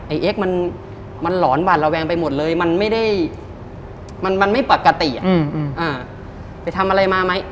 เอ็กซ์มันหลอนบาดระแวงไปหมดเลยมันไม่ได้มันไม่ปกติไปทำอะไรมาไหม